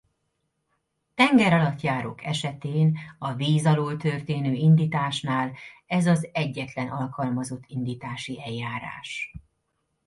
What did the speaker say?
Tengeralattjárók esetén a víz alól történő indításnál ez az egyetlen alkalmazott indítási eljárás.